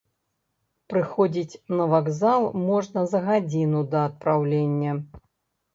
Прыходзіць на вакзал можна за гадзіну да адпраўлення.